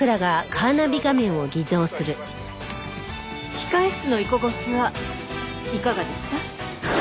控室の居心地はいかがでした？